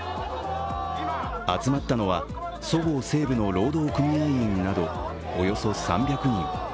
集まったのはそごう・西武の労働組合員などおよそ３００人。